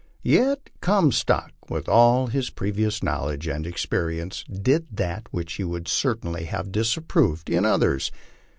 Yet Comstock, with all his previous knowledge and experience, did that which he would certainly have disapproved in others.